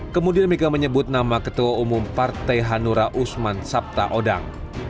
kemudian mika menyebut nama ketua umum partai hanura usman sabta odang